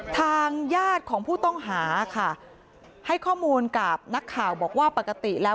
ทางญาติของผู้ต้องหาค่ะให้ข้อมูลกับนักข่าวบอกว่าปกติแล้ว